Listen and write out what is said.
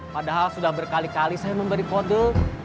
padahal sudah berkali kali saya memberi kode